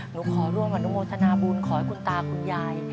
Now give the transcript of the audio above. หนูขอร่วมอนุโมทนาบุญขอให้คุณตาคุณยาย